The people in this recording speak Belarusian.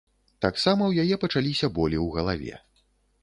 Таксама ў яе пачаліся болі ў галаве.